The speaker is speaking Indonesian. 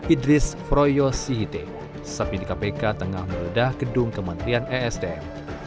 idris froyo sihite sepi di kpk tengah meredah gedung kementerian esdm